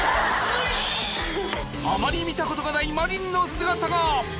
あまり見たことがない真凜の姿が！